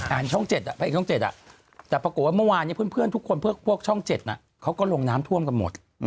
อันช่อง๗อ่ะอันช่อง๗อ่ะแต่ปรากฏว่าเมื่อวานเนี่ยเพื่อนทุกคนเพื่อพวกช่อง๗น่ะเขาก็ลงน้ำท่วมกันหมด